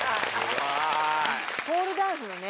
ポールダンスのね